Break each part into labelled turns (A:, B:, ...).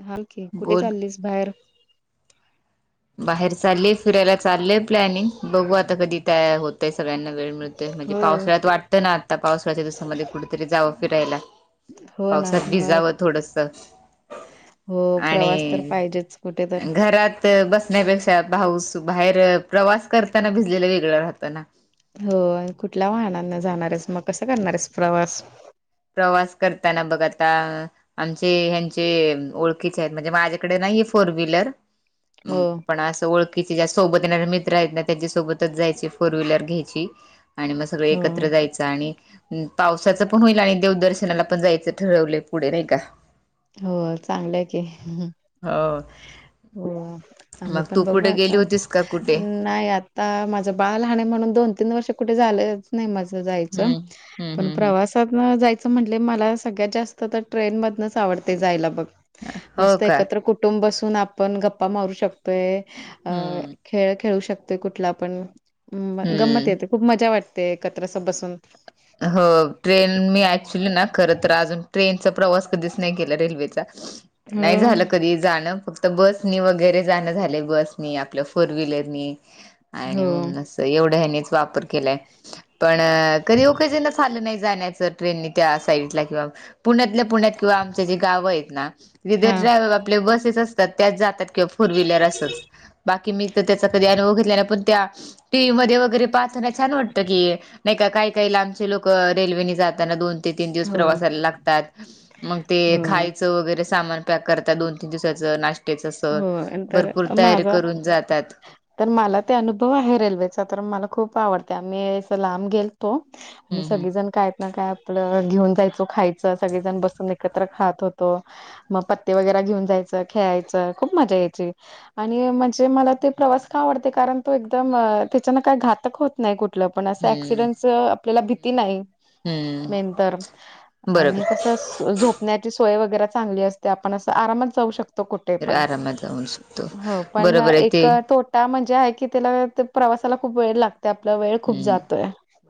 A: धाबं कि कुठे
B: बोल
A: चाललीस बाहेर?
B: बाहेर चालय फिरायला चाललंय प्लॅनिंग बघू आता कधी होतंय सगळ्यांना वेळ मिळतोय म्हणजे
A: हो
B: पावसाळ्यात वाटतं ना आता पावसाळ्याच्या दिवसामध्ये कुठेतरी जावं फिरायला.
A: हो ना
B: पावसात
A: मग
B: भिजावं थोडस
A: हो प्रवास तर
B: आणि
A: पाहिजेच कुठे तर
B: घरात बसण्यापेक्षा भाऊस बाहेर प्रवास करताना भिजलेलं वेगळ राहतो ना.
A: हो कुठल्या वाहनांना जाणारस मग कसां करणार आहेस प्रवास
B: प्रवास करताना बघ आता आमचे ह्यांचे ओळखीच आहेत म्हणजे माझ्याकडे नाहीये फोर व्हीलर
A: हो
B: मग पण असं ओळख कि ज्या सोबत येणारे मित्र आहेत ना त्याच्या सोबतच जायचे फोर व्हीलर घ्यायची. आणि मग सगळ
A: हो
B: एकत्र जायचं आणि पावसाचं पण होईल आणि देवदर्शनाला पण जायचं ठरवले पुढे नाही का.
A: हो चांगलंय की.
B: हो
A: हो आम्ही
B: मग तू
A: पण बघू
B: कुठे गेली
A: आता
B: होतीस का कुठे
A: अं नाय आत्ता माझं बाळ लहान म्हणून दोन तीन वर्ष कुठे झालं नाई माझ जायचं
B: हम्म हम्म
A: पण
B: हम्म हम्म
A: प्रवास तर म जायचं म्हणले, मला सगळ्यात जास्त तर ट्रेन मधनच आवडते जायला बघ.
B: हो
A: मस्त
B: का
A: एकत्र कुटुंब बसून आपण गप्पा मारू शकतोय. अ
B: हम्म
A: खेळ खेळू शकतो कुठला पण म गंमत
B: हम्म
A: येते. खूप मजा वाटते एकत्र अस बसून.
B: हो ट्रेन मी ऍक्च्युली ना खर तर आजून ट्रेनचा प्रवास कधीच नाही केला रेल्वेचा,
A: हो
B: नाही झालं कधी जाण फ त बसनी वगैरे जाणं झालय, बसनी आपल्या फोर व्हीलरनी आणि
A: हो
B: म असं त एवढ्या यानीच वापर केलाय, पण अ कधी ओकेजनच आल ना नाई जाण्याच ट्रेन त्या साईडला किंवा पुण्यातल्या पुण्यात किंवा आमचे जे गाव आहेत ना. विदा
A: हा.
B: ट्रॅव्ह आपले बसेस असतात त्याच जात्यात. किवा फोर व्हिव्लर असच बाकी मी त त्याचा कधी अनुभव घेतला नाही पण त्या टी व्ही मध्ये वगैरे पाहताना छान वाटतं की नाही का काही काही लांबचे लोक रेल्वेने जाताना दोन ते तीन दिवस
A: हो
B: प्रवासाला लागतात मग ते
A: हो
B: खाय चं वगैरे सामान पॅक करता दोन तीन दिवसाचं नाश्त त्याच अस
A: हो नंतर
B: भरपूर तयारी
A: माझा
B: करून जातात.
A: तर मला ते अनुभव आहे रेल्वेचा तर मला खूप आवडत्या मी असं लांब गेल तो आणि
B: हम्म
A: सगळेजण काय? ना काय आपलं घेऊन जायचो खायचं सगळेजण बसून एकत्र खात होतो. म पत्ते वगैरा घेऊन जायचं खेळायचं खूप मजा यायची. आणि म्हंजे मला ते प्रवास का आवडते? कारण तो एकदम त्याच्यान काय घातक होत नाही कुठलं पण असं
B: हम्म
A: ऍक्सिडेंट आपल्याला भीती
B: हम्म.
A: नाही. मेन
B: हम्म
A: तर आणि
B: बरोबर
A: कस झोप ण्याची सोय वगैरे चांगली असते आपण असं आरामात जाऊ शकतो कुठे
B: तर
A: पण.
B: आरामात जाऊन शकतो
A: हो पण
B: बरोबर आहे
A: एक
B: ते
A: तो त्या म्हणजे आहे की त्याला ते प्रवासाला खूप वेळ लागते आपला वेळ खूप
B: हम्म.
A: जातोय.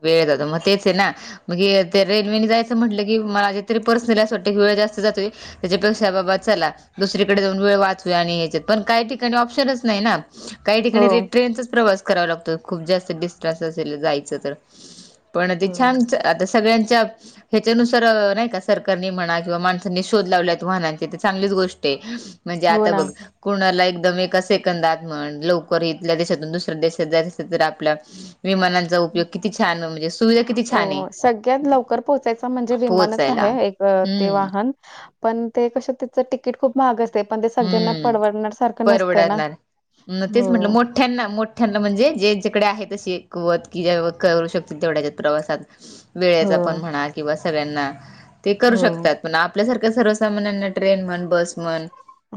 B: वेळ जातो म तेच हैना. मग ये ते रेल्वेनी जायचं म्हटलं की, मला तरी पर्सनली असं वाटतं की वेळ जास्त जातोय. त्याच्यापेक्षा बाबा चला दुसरीकडे जाऊन वेळ वाचूया आणि याच्यात पण काही ठिकाणी ऑप्शनच नाही ना. काही
A: हो
B: ठिकाणी ते ट्रेनचाच प्रवास करावा लागतो खूप जास्त डिस [unintelligible] असेल जायचं तर पण ते
A: हो
B: छान च आता सगळ्यांच्या ह्याच्यानुसार अ नाही का सरकारनी म्हणा किंवा माणसांनी शोध लावल्यायेत वाहनांचे ते चांगलीच गोष्ट आहे. म्हंजे
A: हो
B: आता
A: ना
B: बघ कुणाला एकदम एका सेकंदात म्हण लवकर इथल्या देशातून दुसऱ्या देशात जायच असेल तर आपल्या विमानांचा उपयोग किती छान म्हणजे सुविधा किती
A: हो
B: छान आहे
A: सगळ्यात लवकर पोहोचायच म्हणजे विमानच आहे
B: पोहोचायला.
A: एक अ ते
B: हम्म
A: वाहन पण ते कस त्याच टि कीट खूप महाग असते पण ते सगळ्यांना
B: हम्म
A: पडवडणार सारखं नसतंय ना हं
B: थ्यांना मोठ्यांना म्हणजे जेच्यांकडे आहे तशी कुवत की जेव करू शकते तेवढ्याच्या प्रवासात.
A: हो
B: वेळेचा पण म्हणा किंवा सगळ्यांना ते करू
A: हो
B: शकतात. पण आपल्यासारख्या सर्वसामान्यांना ट्रेन म्हण बस म्हण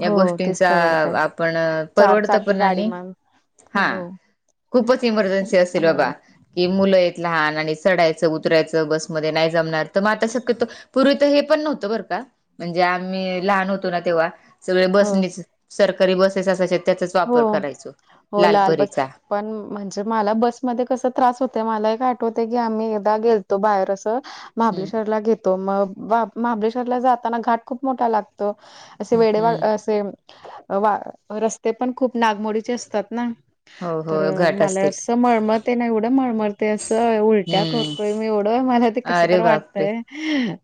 B: या
A: हो तेच
B: गोष्टींचा अ
A: परवडतय
B: आपण
A: चार
B: परवडत
A: चाकी
B: पण
A: गाडी
B: आणि
A: मग हो
B: हां खूपच इमर्जन्सी असे
A: हो
B: बाबा की मुलं आहेत लहान आणि चढायचं उतरायचं बसमध्ये नाही जमणार तर मग आता शक्यतो पूर्वी तर हे पण नव्हतं बरं का म्हणजे आम्ही लहान होतो ना तेव्हा सगळे
A: हो
B: बसणीच सरकारी बसेस असायच्या त्याचाच वापर
A: हो
B: करायचो
A: हो लाल बस
B: लालपरीचा
A: पण म्हणजे मला बसमध्येध्ये कस त्रास होत मलाही आठवते की आम्ही एकदा गेलतो बाहेर असं
B: हम्म
A: महाबलेश्वरला घेतो मग बा महाबलेश्वरला जाताना घाट खूप मोठा लागतो. असे वेळेवा
B: हम्म
A: असे वा रस्ते पण खूप नागमोडीचे असतात ना.
B: हो हो
A: तर
B: घाट
A: मला
B: असतील
A: असं मळमळते ना एवढं मळमळते असं उलट्या
B: हम्म
A: करत. मी एवढं आहे मला ते कस
B: अरे
A: तर
B: बापरे
A: वाटतय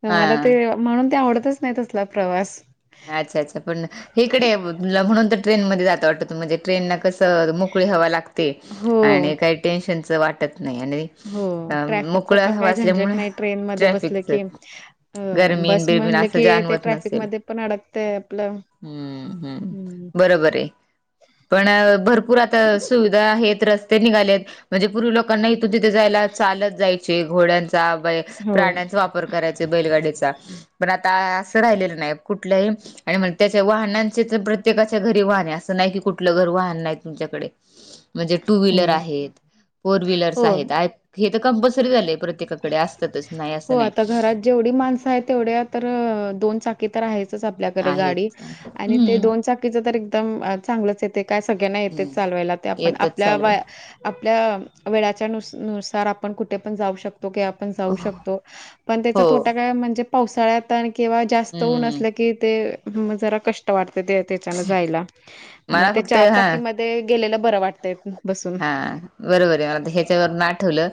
A: मला ते
B: हा
A: म्हणून ते आवडतच नाही तसला प्रवास
B: अच्छा अच्छा पण इकडे तुला म्हणून तर ट्रेन मध्ये जात वाटत म्हणजे ट्रेनना कसं मोकळी हवा लागते.
A: हो.
B: आणि काही टेन्शनचं वाटत नाही आणि
A: हो
B: अ,
A: ट्रॅफिकच
B: मोकळी
A: पण
B: हवा
A: काही
B: असल्यामुळे
A: झंझटनाही ट्रेन म बसलं
B: ट्रॅफिकचं
A: की
B: गरमी आणि
A: बस
B: बिरबीण
A: म्ह
B: असं
A: क ते
B: जाणवत
A: ट्रॅफिक मध्ये पण अडकतय आपलं
B: हम्म हम्म बरोबर आहे पण भरपूर पुरात सुविधा आहेत रस्ते निघालेत म्हणजे पूर्वी लोकांना इथून तिथे जायला चालत जायच. घोड
A: हो
B: प्राण्याचा वापर. करायच बैलगाडीचा पण आता असं राहिलेलं नाही कुठल्याही आणि म्हग त्याच्या वाहनांचे तर प्रत्येकाच्या घरी वाहने असं नाही की कुठलं घर वाहन नाही तुमच्याकडे
A: [inaudible]
B: म्हणजे टू
A: हो
B: व्हीलर आहेत फोर व्हीलरस
A: हो
B: आहेत हे तर कंपल्सरी झाले. प्रत्येकाकडे असतातच नाही
A: हो
B: असं नाही.
A: आता घरात जेवढी माणसं आहेत तेवढ्या तर दोन चाकी तर आहेतच. तसं आपल्याकडेगाडी
B: आहेत
A: आणि ते
B: हम्म
A: दोन चाकी एकदम चांगलंच येते काय सगळ्यांना
B: हम्म
A: येतेच चालवायला ते आपण
B: येतच
A: आपल्या
B: चालू
A: आपल्या वेळाच्या नुस नुसार आपण कुठे पण जाऊ शकतो. आपण जाऊ शकतो पण त्याचा
B: हो
A: तोटा का म्हणजे पावसाळ्यात आणि किंवा जास्त ऊन
B: हम्म
A: असलं कि ते जरा कष्ट वाटत त्याच्यान जायला मग
B: मला
A: ते
B: फक्त
A: चार
B: हा
A: चाकीमध्ये गेलेला बरं वाटत.
B: हा बरोबर आहे मला ह्याच्यावर ना आठवलं.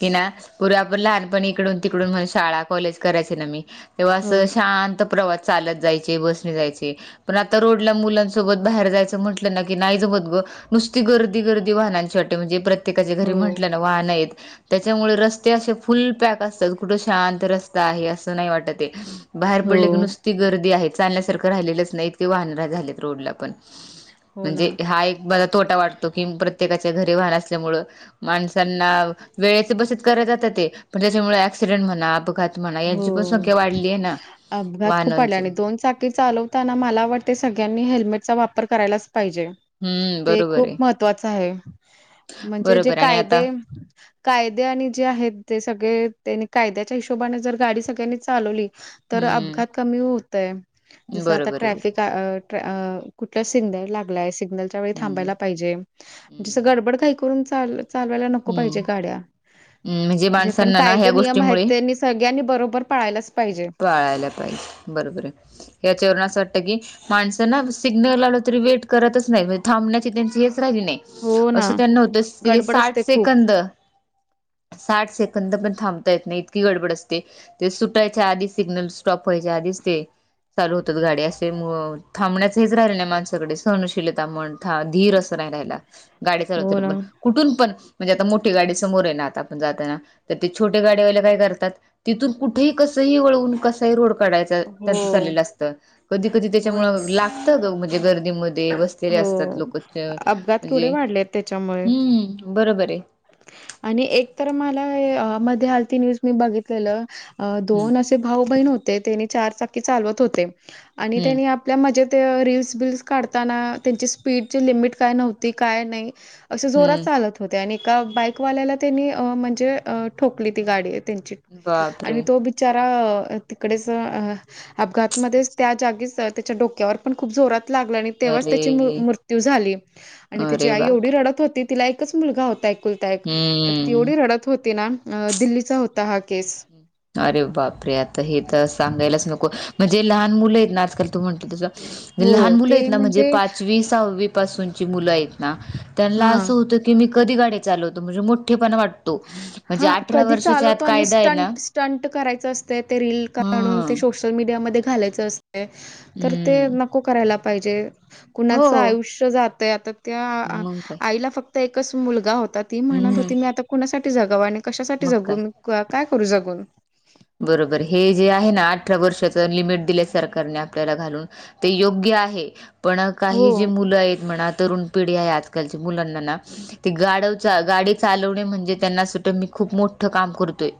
B: कि ना पूर्े आपण लहानपण इकडून तिकडून म्ह शाळा कॉलेज करायचे ना मी तेव्हा
A: हो
B: असं शांत प्रवास चालत जायचे बसणे जायचे. पण आता रोडला मुलांसोबत बाहेर जायचं म्हटलं ना की नाही जमत. ग नुसती गर्दी गर्दी वाहनां वाटे म्हजे प्रत्येकाचे घरी
A: हो.
B: म्हण. वाहन आहेत त्याच्यामुळे रस्ते असे फुल पॅक असतात कुठे शांत रस्ते असं नाही वाटत बाहेर
A: हो
B: पडले की नुसता ती गर्दी आहे चालण्यासारखं राहिलेलंच नाही इतके वाहन झालेत रोडला पण
A: हो ना.
B: म्हणजे हा एक माझा तोटा वाटतो की प्रत्येकाच्या घरी वाहन असल्यामुंळ माणसांना वेळेचे बसेच कराय जातात ते पण त्याच्यामुळे ऍक्सिडेंट म्हणा अपघात म्हणा
A: हो
B: यांची पण संख्या वाढली आहे ना
A: अपघात खूप आले
B: वाहनांची
A: आणि दोन चाकी चालव. ताना मला वाटते सगळ्यांनी हेल्मेटचा वापर करायलाच पाहिजे.
B: हम्म
A: ते
B: बरोबर
A: खूप
B: आहे
A: महत्त्वाच आहे म्हणजे जे
B: बरोबर आणि आता
A: कायदे कायदे आणि जे आहेत ते सगळे त्यांनी कायद्याच्या हिशोबाने जर गाडी सगळ्यांनी चालवली. तर
B: हम्म
A: अपघात कमी होतय जस आता
B: बरोबर आहे
A: ट्रॅफिक. कुठ सिग्नल लागलाय सिग्नलच्या वेळी
B: हम्म
A: थांबायला पाहिजे
B: हम्म
A: गडबड का. करून चाल चालवायला नको पाहिजेत
B: हम्म हम्म,
A: गाड्या
B: म्हणजे
A: जे पण
B: माणसांना ना
A: काय
B: ह्या
A: नियम
B: गोष्टीमुळे
A: तेनीच सगळ्यांनी बरोबर पाळायलाच पाहिजे.
B: पाळायला पाहिजे बरोबर आहे, या्याच्यावरून असं वाटतं की माणसं ना सिग्नल आल तरी वेट करतच नाही म्हणजे थांबण्याची त्यांची हेच राहिली नाही.
A: हो ना.
B: असं त्यां नवतं तिथे
A: गडबड
B: साठ
A: असते खूप.
B: सेकंद साठ सेकंद पण थांबता येत नाही इतकी गडबड असते ते सुटायच्या आधी सिग्नल स्टॉप व्हायचे आधीच ते चालू होतात गाडी असे थबण्याच हेच राहिले नाही माणसाकडे सहनशीलता मण धीर असं नाही राहायला गाडी चालवत
A: हो ना.
B: पण. कुठून पण म्हणजे आता मोठी गाडी समोर ये ना आता आपण जाताना तर ते छोटे गाडीवायले काय करतात? तिथून कुठेही कसही वळवून कसाही रोड काढायचा. चा
A: हो,
B: अस कधी कधी
A: हो ना,
B: त्यांच्यामुळे लागत गर्दीमध्ये
A: हो.
B: असतात लोक
A: अपघात केवढे
B: म्हणजे
A: वाढले आहेत त्याच्यामुळे.
B: हम्म बरोबर आहे.
A: आणि एक तर मला मध्ये आलती न्यूज मी बघितलेल
B: हम्म
A: दोन भाऊ बहीण होते ते चार चाकी चालवत होते आणि
B: हम्म
A: त्यानी आपल्या म्हणजे ते रीलस बिल्स काढताना त्यांची स्पीडची लिमिट काय नव्हती काय नाही. असे जोरात
B: हम्म
A: चालत होते आणि एका बाईकवाल्याला त्यांनी म्हणजे ठोकली ती
B: हम्म
A: गाडी त्यांची
B: बापरे!
A: आणि तो बिचारा तिकडेच अपघातमध्येच त्या जागीच त्याच्या डोक्यावर पण खूप जोरात लागला आणि तेव्हाच
B: अरे,
A: त्याची मृत्यू झाली आणि त्याची
B: अरे
A: आई एवढी
B: बापरे!
A: रडत होती तिला एकच मुलगा होता. कुलतायक तर
B: हम्म.
A: तेवढी रडत होती ना दिल्लीचा होता हा केस.
B: अरे बापरे आता हे तर सांगायलाच नको म्हणजे लहान मुलं आहेत ना आजकाल तू म्हणतेस तसं लहान
A: हो
B: मुलं
A: ते
B: आहेत ना म्हणजे पाचवीत मुल आहेत ना त्यांना
A: हां.
B: असं होत ना की मी कधी गाडी चालवतो म्हणजे मोठेपण वाटतो म्हणजे अठरा वर्षाचा आत कायदा आहे ना.
A: ट्टंट करायचं असते ते रील काढून ते
B: हं.
A: सोशल मीडियामध्ये घालायचं असते तर ते
B: हम्म.
A: नको करायला पाहिजे
B: हो,
A: कुणाचं आयुष्य जात आहे आता त्या
B: मग काय.
A: आईला फक्त एकच मुलगा होता ती म्हणत
B: हम्म,
A: होती मी आता कुणासाठी जगावा आणि कशासाठी
B: मग काय.
A: जगून काय करू
B: हम्म.
A: जगून.
B: बरोबर हे जे आहे ना अठरा वर्षाच लिमिट दिलं सरकारने आपल्याला घालून. ते योग्य आहे पण
A: हो
B: काही जे मुलं आहेत म्हणत तरण पिढ आजल मुलां गाडी चालवणे म्हणजे त्यांना अस मी खूप मोठं काम करतोय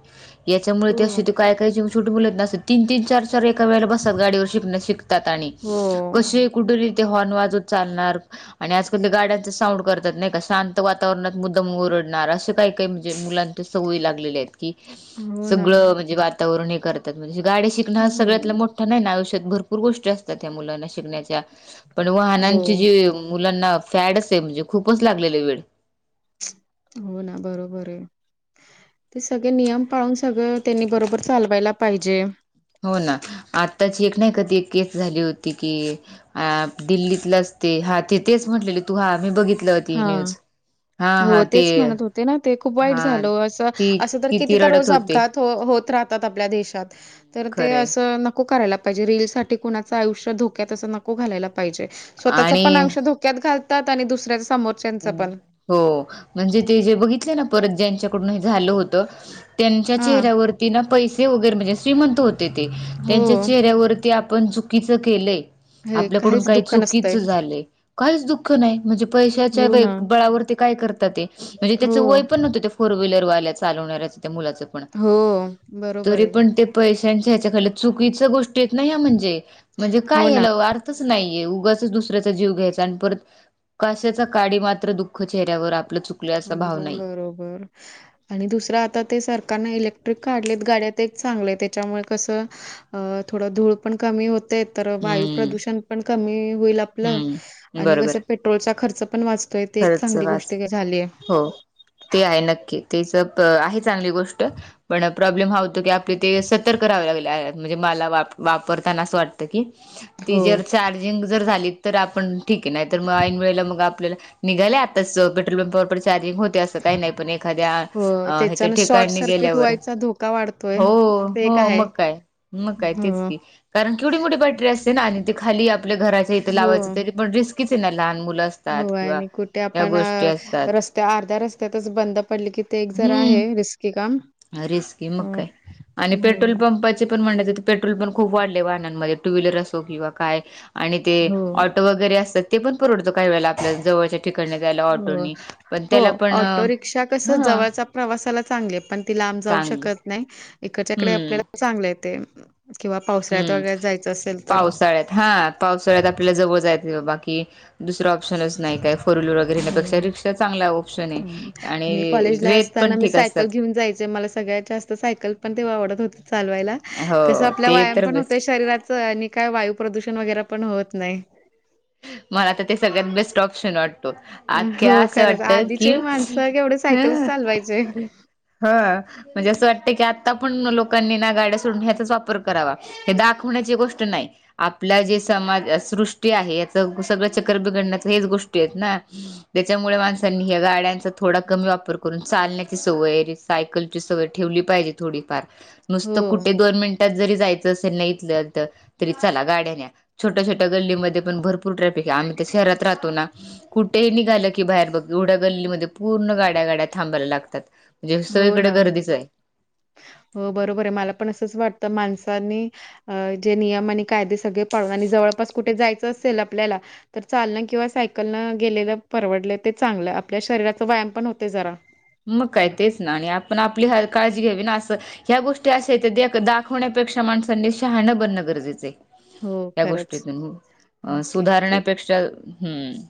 B: याच्यामुळे ते
A: हो
B: असशी काय कयी छोटे मुोलत नत तीन तीन चार एका वेळेला बसतात गाडीवर शतात आणि
A: हो
B: क. कुठून तेे हॉर्न वाजत चालणार. आणि आजकाल ते गाड्यांचं साऊंड करतात नाही का शांत वातावरणात मुद्दम ओरडणार असं काही काही म्हणजे मुलां. ते सवय लागलेले आहेत. की
A: हो ना
B: सगळं म्हणजे वातावरण हे करतात म्हणजे गाडी शिकण हा
A: हो
B: सगळ्यात मोठ मो नाही ना आयुष्यात भरपूर गोष्टी असतात त्या मुलांना शिकण्याच्या. पण
A: हो
B: वाहनांची जी मुलांना फॅड असे म्हणजे खूपच लागलेला वेळ.
A: हो ना बरोबर आहे. ते सगळे नियम पाळून सगळं त्यांनी बरोबर चालवायला पाहिजे.
B: हो ना आत्ताची एक नाही कधी केस झाली होती की अ दिल्लीतलं असते हा तेथेच म्हटलेले तू हा मी बघितलं होती ही
A: हा
B: न्यूज. हा
A: हो
B: हा ते
A: तेच म्हणत होते ना ते खूप वाईट
B: हा
A: झाल अस
B: ती
A: असं तर किती तर
B: रडत
A: रोज
B: होते
A: अपघात. हो होत राहतात आपल्या देशात तर ते
B: खरंय
A: अस नको करायला. म्हणजे रील साठी कोणाचा आयुष्य धोक्यातच नको घालायला पाहिजे स्वतःचा पण
B: आणि
A: आयुष्य धोक्यात धोक्यात घालतात आणि दुसऱ्या समोरच्याचं
B: हम्म.
A: पण.
B: हो म्हणजे ते जे बघितले ना परत ज्यांच्याकडून हे झालं होत. त्यांच्या
A: हां.
B: चेहऱ्यावरती ना पैसे वगैरे म्हणजे श्रीमंत होते ते त्यांच्या
A: हो.
B: चेहऱ्यावरती आपण चुकीच केलंय.
A: हे
B: आपल्याकडून
A: काहीच
B: काही
A: दुःख नसतंय.
B: चुकीच झालंय. काहीच दुःख नाही म्हणजे पैशाच्या
A: हो ना.
B: बळावर ते काय करतात ते, म्हणजे
A: हो,
B: त्याचं वय पण नव्हतं ते फोर व्हीलर वाल्या चालवणारच त्या मुलाच पण
A: हो. बरोबर
B: तरी
A: आहे.
B: पण ते पैशांच्या ह्याच्याक चुकीच गोष्टी येत नाही ह म्हणजे म्हणजे
A: हो
B: काय
A: ना.
B: याला. नाहीे उगाचच दुसऱ्याचा जीव घ्यायचा आणि परत काशचा. काडी मात्र दुःख चेहऱ्यावर आपलं चुकल असा भाव
A: एकदम
B: नाही.
A: बरोबर. आणि दुसरं आता ते सरकारने इलेक्ट्रिक काढलेत गाड्या ते एक चांगल्या त्याच्यामुळे कसं. अं थोडं धूळ पण कमी होते तर वायू
B: हम्म
A: प्रदूषण पण क होईल आपलं
B: हम्म
A: आणि कस.
B: बरोबर
A: पेट्रोल चा खर्च पण वाचतोय ते एक
B: खरंच
A: चांगली
B: वाच
A: गोष्ट झाली आहे.
B: हो ते आहे नक्की तेच आहे चांगली गोष्ट पण प्रॉब्लेम ह आपले ते सतर्क करावे लागले म्हणजे मला वापरताना असं वाटत की ती
A: हो,
B: ज चार्जिंग जर झाली तर आपण ठीक आहे नाही तर, मग ऐन वेळेला मग आपल्याला निघायले आताच पेटोल पंपावर पण चार्जिंग हो ते असं काही नाही पण एखाद्या
A: हो.
B: अ ह्याच्या
A: त्याच्यानं शॉर्ट
B: ठिकाणी
A: सर्किट
B: गेल्यावर
A: व्हायचा धोका वाढतोय.
B: हो
A: ते एक
B: हो
A: आहे.
B: मग काय मग काय तेच
A: हो,
B: की कारण केवढी मोठी बॅटरी असते. आणि ते खाली आपल्या घराच्या इथे लावायचं तरी पण रिस्कीच आहे ना लहान मुला
A: होय आणि कुठ ते आपण रस्त्या अर्ध्या रस्त्यातच बंद पडले की, ते एक जरा आहे रिस्की काम
B: अ रिस्की
A: अ,
B: मग काय आणि
A: हं,
B: पेट्रोल पंपाची ण पेट्रोल पण खूप वाढले वाहंनानमध्ये टू व्हीलर असो किंवा काय आणि ते
A: हो,
B: ऑटो वगैरे असतात ते पण परवडतो. काही वेळेला आपल्या जवळच्या ठिकाणी जायला
A: हो.
B: ऑटोनी पण
A: हो
B: त्याला पण
A: ऑटो रिक्षा कसं
B: हा
A: जवळचा प्रवासाला चांगली आहे पण, ती लांब जाऊ
B: चांगली
A: शकत नाही. इकडच्याकडे
B: हम्म
A: आपल्याला चांगलं आहे ते
B: हम्म पावसाळ्यात हा पावसाळ्यात आपल्याला जवळ जाय बाकी दुसरा ऑप्शनच नाही काय फोर व्हीलर
A: हो
B: वगैरेण्यापेक्षा रिक्षा चांगला ऑप्शन आहे.
A: हं. मी
B: आणि
A: कॉलेजला
B: रेट
A: असताना
B: पण
A: मी
B: ठीक असते.
A: सायकल घेऊन जायचं मला सगळ्या जास्त सायकल पण तेव्हा आवडत होती चालवायला
B: हो
A: तस आपला
B: ते
A: व्यायाम
B: तर
A: पण होत
B: बेस्ट
A: शरीराच काय वायू प्रदूषण वगैरे पण होत नाही.
B: मला तर ते सगळ्यात बेस्ट ऑप्शन वाटत तो अख्ख्या
A: हो
B: असं
A: खरंच
B: वाटत कि
A: आधीचे माणसं केवढे
B: ह
A: सायकलच चालवायचे
B: हा म्हणजे असं वाटतं की आता पण लोकांनी ना गाड्या सोडून ह्याचाच वापर करावा. हे दाखवण्याची गोष्ट नाही. आपल्या जे समाज सृष्टी आहे. सगळं चक्कर बिघडण्याच हेच गोष्टी आहेत ना. त्याच्यामुळे माणसांनी या गाड्यांचा थोडा कमी वापर करून चालण्याची सवयरी सायकलची सवय ठेवली पाहिजे. थोडी फार, नुसत
A: हो
B: कुठे दोन मिनट जायच असेल इथल्या इथं तरी चला गाड्या न्या छोट्या छोट्या गल्लीमध्ये पण भरपूर ट्राफी क आम्ही तर शहरात राहतो ना कुठेही निघालं की बाहेर बघ येवढ्या गल्लीमध्ये पूर्ण गाड्या गाड्या थांबायला लागतात. म्हणजे
A: हो
B: सगळीकडे
A: ना
B: गर्दीचं आहे.
A: हो बरोबर आहे. मला पण असंच वाटतं माणसानी अं जे नियम आणि कायदे सगळे पाळून आणि जवळपास कुठे जायचं असेल आपल्याला तर चालणं किंवा सायकल नं गेलेलं परवडलं, ते चांगलं आपल्या शरीराचा व्यायाम पण होते जरा.
B: मग काय तेच ना आणि आपण आपली ह -काळजी घ्यावी ना असं. ह्या गोष्टी अशा आहेत. देख- दाखवण्यापेक्षा माणसांनी शहाणं बनणं गरजेचं आहे.
A: हो
B: या
A: खरंच.
B: गोष्टीतून अ
A: ओके ठीक.
B: सुधारण्यापेक्षा हम्म.